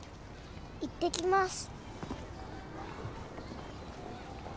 いってきます。